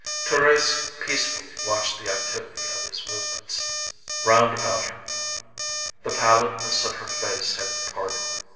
Thérèse peacefully watched the activity of his movements round about her. The pallidness of her face had departed.